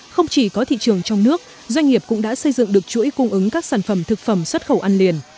không chỉ có thị trường trong nước doanh nghiệp cũng đã xây dựng được chuỗi cung ứng các sản phẩm thực phẩm xuất khẩu ăn liền